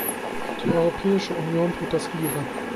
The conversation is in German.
Die Europäische Union tut das Ihre.